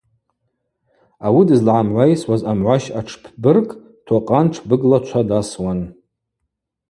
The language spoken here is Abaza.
Ауи дызлагӏамгӏвайсуаз амгӏващ атшпбырг Токъан тшбыгла чва дасуан.